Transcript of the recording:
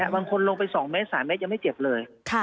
บางคืนลงไป๒๓เมตรไม่เจ็บเลย